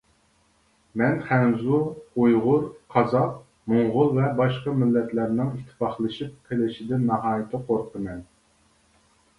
مەن خەنزۇ، ئۇيغۇر، قازاق، موڭغۇل ۋە باشقا مىللەتلەرنىڭ ئىتتىپاقلىشىپ قېلىشىدىن ناھايىتى قورقىمەن.